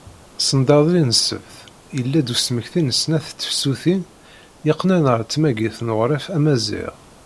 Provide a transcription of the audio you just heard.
Send iḍelli n ssebt, yella-d usmekti n snat n tefsutin yeqqnen ɣer tmagit n uɣref Amaziɣ.